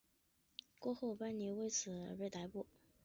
过后班尼为此而被逮捕。